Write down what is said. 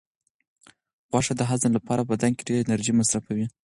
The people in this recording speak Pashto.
غوښه د هضم لپاره په بدن کې ډېره انرژي مصرفوي.